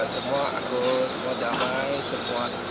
semua guru semua damai semua